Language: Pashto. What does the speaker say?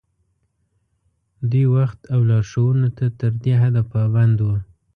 دوی وخت او لارښوونو ته تر دې حده پابند وو.